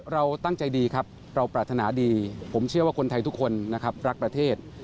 เราตั้งใจดีครับเราปรารถนาดีผมเชื่อว่าคนไทยทุกคนนะครับรักประเทศ